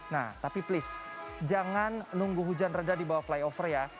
nah tapi please jangan nunggu hujan reda di bawah flyover ya